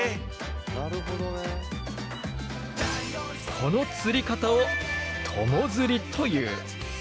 この釣り方を友釣りという。